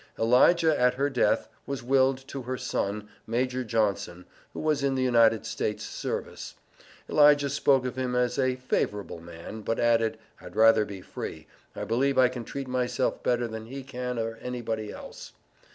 Elijah, at her death, was willed to her son, Major Johnson, who was in the United States service. Elijah spoke of him as a "favorable man," but added, "I'd rather be free. I believe I can treat myself better than he can or anybody else."